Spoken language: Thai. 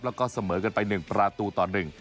แล้วก็เสมอกันไปหนึ่งประตูต่อหนึ่ง